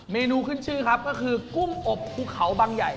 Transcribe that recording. เมนูขึ้นชื่อครับก็คือกุ้งอบภูเขาบังใหญ่